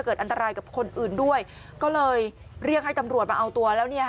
เกิดอันตรายกับคนอื่นด้วยก็เลยเรียกให้ตำรวจมาเอาตัวแล้วเนี่ยค่ะ